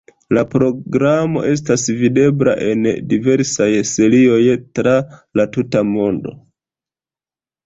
La programo estas videbla, en diversaj serioj, tra la tuta mondo.